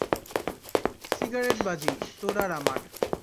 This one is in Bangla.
সিগারেট বাজি, তোর আর আমার।